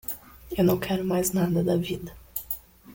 Eu não quero mais nada na vida.